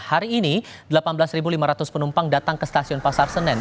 hari ini delapan belas lima ratus penumpang datang ke stasiun pasar senen